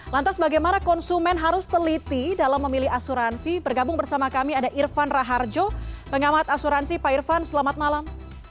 lantas bagaimana konsumen harus teliti dalam memilih asuransi bergabung bersama kami ada irfan raharjo pengamat asuransi pak irfan selamat malam